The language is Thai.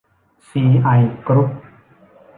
ซี ไอ กรุ๊ป